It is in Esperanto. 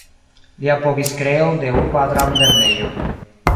Li apogis kreon de Urba Dram-Lernejo.